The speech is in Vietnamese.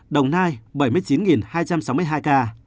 đồng nai bảy mươi chín hai trăm sáu mươi hai ca